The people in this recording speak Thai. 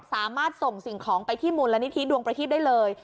สามารถส่งสิ่งของไปที่มูลนิธิดวงประทีปได้เลย